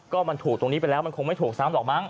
ก็มันถูกตรงนี้ไปแล้วมันคงไม่ถูกซ้ำหรอกมั้